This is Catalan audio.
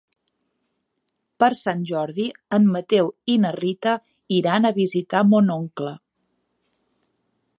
Per Sant Jordi en Mateu i na Rita iran a visitar mon oncle.